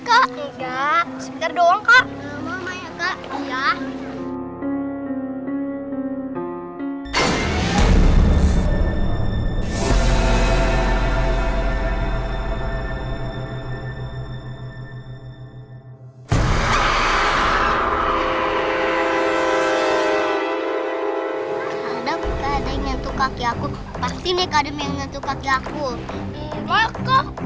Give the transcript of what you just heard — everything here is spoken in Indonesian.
ada ada yang nentuk kaki aku pasti nih kadang ingin tukar jauh